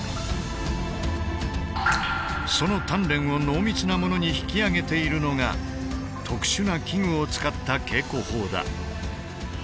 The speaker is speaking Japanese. その鍛錬を濃密なものに引き上げているのが特殊な器具を使った稽古法だ。